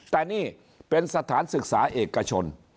แต่นี่เป็นสถานศึกษาเอกชน